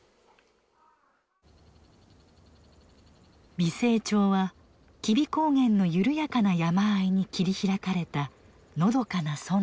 美星町は吉備高原の緩やかな山あいに切り開かれたのどかな村落。